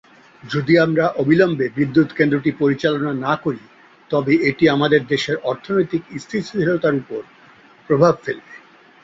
যদি আমরা অবিলম্বে বিদ্যুৎ কেন্দ্রটি পরিচালনা না করি তবে এটি আমাদের দেশের অর্থনৈতিক স্থিতিশীলতার উপর প্রভাব ফেলবে।